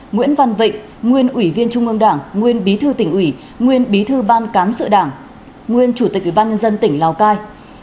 nguyễn văn vịnh nguyên ủy viên trung ương đảng nguyên bí thư tỉnh ủy nguyên bí thư ban cán sự đảng nguyên chủ tịch ủy ban nhân dân tỉnh lào cai